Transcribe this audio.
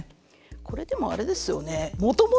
これでもあれですよね